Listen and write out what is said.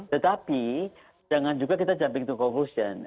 tetapi jangan juga kita jump into the conclusion